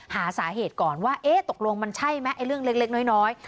หาสาเหตุก่อนว่าเอ๊ะตกลงมันใช่ไหมเรื่องเล็กน้อย